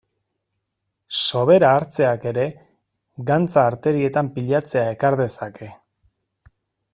Sobera hartzeak ere gantza arterietan pilatzea ekar dezake.